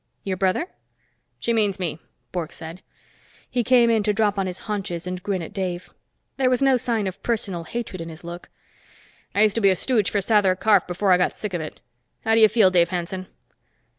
"Your brother?" "She means me," Bork said. He came in to drop on his haunches and grin at Dave. There was no sign of personal hatred in his look. "I used to be a stooge for Sather Karf, before I got sick of it. How do you feel, Dave Hanson?"